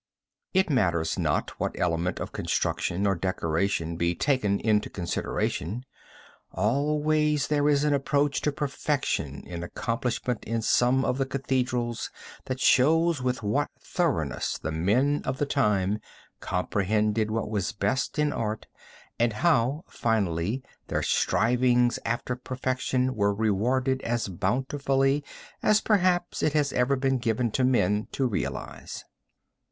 It matters not what element of construction or decoration be taken into consideration, always there is an approach to perfection in accomplishment in some one of the cathedrals that shows with what thoroughness the men of the time comprehended what was best in art, and how finally their strivings after perfection were rewarded as bountifully as perhaps it has ever been given to men to realize.